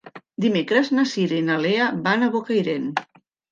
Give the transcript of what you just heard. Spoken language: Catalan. Dimecres na Cira i na Lea van a Bocairent.